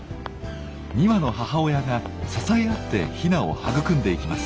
２羽の母親が支え合ってヒナを育んでいきます。